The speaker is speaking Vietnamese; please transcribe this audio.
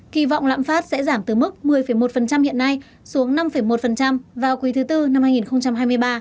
kỳ vọng lạm phát sẽ giảm từ mức một mươi một hiện nay xuống năm một vào quý thứ tư năm hai nghìn hai mươi ba